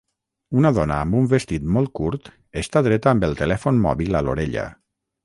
Una dona amb un vestit molt curt està dreta amb el telèfon mòbil a l'orella.